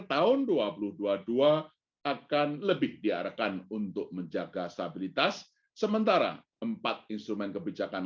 tahun dua ribu dua puluh dua akan lebih diarahkan untuk menjaga stabilitas sementara empat instrumen kebijakan